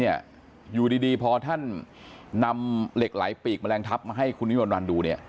อยู่ดีพอท่านนำเหล็กไหลปีกแมลงทับมาให้คุณวิมวลวันดูเนี่ย